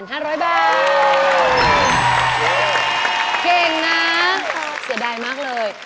เสียดายมากเลย